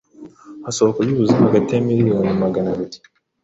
hasohoka byibuze hagati ya miliyoni magana biri